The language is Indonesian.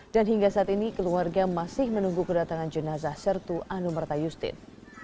hingga saat ini keluarga masih menunggu kedatangan jenazah sertu anumerta justin